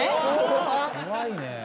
怖いね。